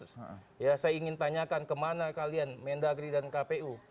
saya ingin tanyakan ke mana kalian mendagri dan kpu